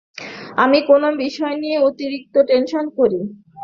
আমি কোনো বিষয় নিয়ে অতিরিক্ত টেনশন করি।